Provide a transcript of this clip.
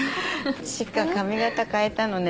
千佳髪形変えたのね。